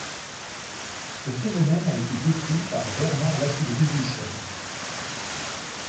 Ce phénomène a été décrit par Bernard Lassudrie-Duchêne.